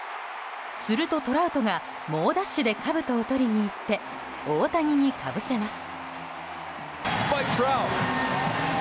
すると、トラウトが猛ダッシュでかぶとを取りに行って大谷にかぶせます。